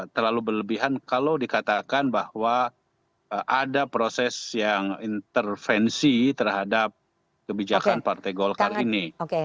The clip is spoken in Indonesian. terlalu berlebihan kalau dikatakan bahwa ada proses yang intervensi terhadap kebijakan partai golkar ini